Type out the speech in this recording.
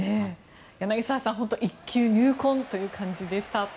柳澤さん、本当一球入魂という感じでした。